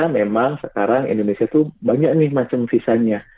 memang sekarang indonesia itu banyak nih macam sisanya